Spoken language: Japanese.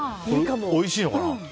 おいしいのかな。